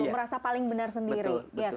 merasa paling benar sendiri